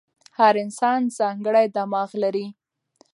هر انسان ځانګړی دماغ لري.